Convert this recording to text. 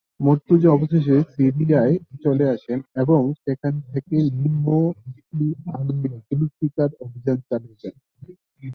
মুর্তজা অবশেষে সিরিয়ায় চলে আসেন এবং সেখান থেকে নিম্ন-কী-আল-জুলফিকার অভিযান চালিয়ে যান।